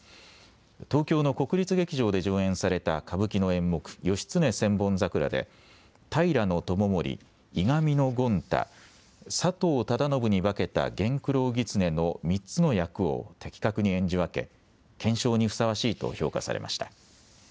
東京の国立劇場で上演された歌舞伎の演目、義経千本桜で平知盛、いがみの権太、佐藤忠信に化けた源九郎狐の３つの役を的確に演じ分け顕彰にふさわしいと評価されました。